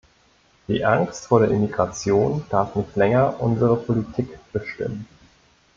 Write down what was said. Die Angst vor der Immigration darf nicht länger unsere Politik bestimmen.